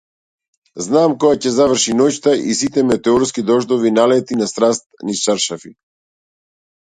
Знам кога ќе заврши ноќта и сите метеорски дождови налети на страст низ чаршафи.